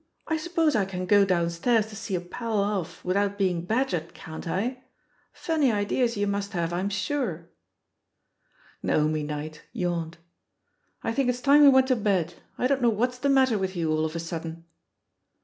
I suppose I can go downstairs to see a pal off without being badgered, can't I ? Funny ideas you must have, I'm sure!" iNaomi Knight yawned* "I think it's time we (Went to bed. I don't know what's the matter ynth you all of a sudden."